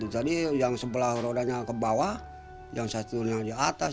jadi yang sebelah rodanya ke bawah yang satunya ke atas